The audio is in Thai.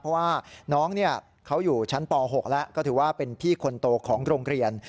เพราะว่าน้องเขาอยู่ชั้นป๖แล้วก็ถือว่าเป็นพี่คนโตของโรงเรียน